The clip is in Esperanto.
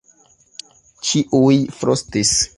Ĉiuj frostis.